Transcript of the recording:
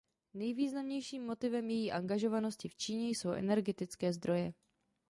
Nejvýznamnějším motivem její angažovanosti v Číně jsou energetické zdroje.